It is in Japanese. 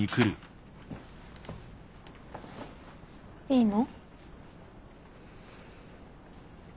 いいの？